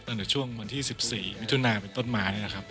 ตั้งแต่ช่วงวันที่๑๔มิถุนาเป็นต้นมา